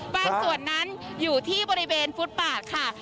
ส่วนนั้นอยู่ที่บริเวณฟุตบาทค่ะ